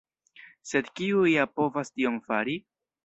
Sed kiu ja povas tion fari?